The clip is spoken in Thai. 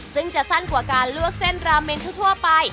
ซึ่งจะสั้นกว่าการลวกเส้นราเมนทั่วไป